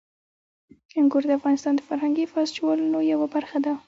انګور د افغانستان د فرهنګي فستیوالونو یوه برخه ده.